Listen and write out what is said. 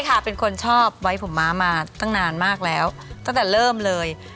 ค่ะเป็นคนชอบไว้ผมม้ามาตั้งนานมากแล้วตั้งแต่เริ่มเลย